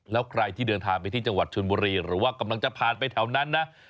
แล้วใครที่เดินทางไปที่จังหวัดชนบุรีหรือว่ากำลังจะผ่านไปแถวนั้นนะ